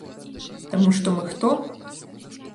Таму што мы хто?